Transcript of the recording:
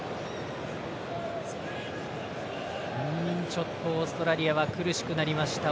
ちょっとオーストラリアは苦しくなりました。